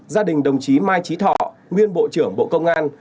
gia đình đồng chí mai trí thọ nguyên bộ trưởng bộ công an